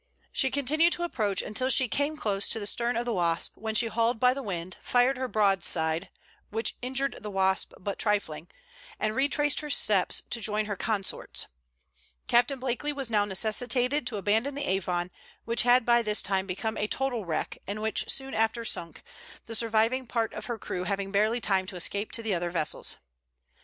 She continued to approach until she came close to the stern of the Wasp, when she hauled by the wind, fired her broadside, (which injured the Wasp but trifling,) and retraced her steps to join her consorts Captain Blakely was now necessitated to abandon the Avon, which had by this time become a total wreck, and which soon after sunk, the surviving part of her crew having barely time to escape to the other vessels.